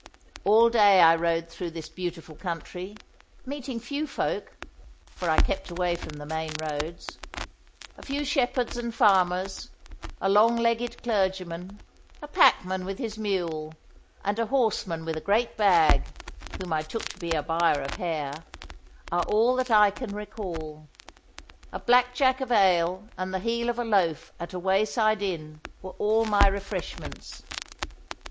All day I rode through this beautiful country, meeting few folk, for I kept away from the main roads. A few shepherds and farmers, a long legged clergyman, a packman with his mule, and a horseman with a great bag, whom I took to be a buyer of hair, are all that I can recall. A black jack of ale and the heel of a loaf at a wayside inn were all my refreshments.